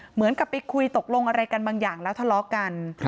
เหมือนกับไปคุยตกลงอะไรกันบางอย่างแล้วทะเลาะกัน